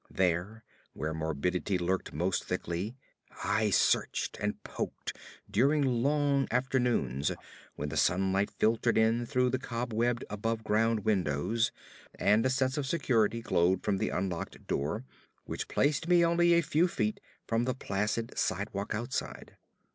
There, where morbidity lurked most thickly, I searched and poked during long afternoons when the sunlight filtered in through the cobwebbed above ground windows, and a sense of security glowed from the unlocked door which placed me only a few feet from the placid sidewalk outside.